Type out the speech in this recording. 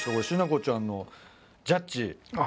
しなこちゃんのジャッジ。